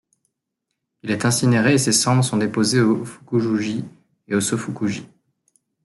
Il est incinéré et ses cendres sont déposées au Fukujū-ji et au Sōfuku-ji.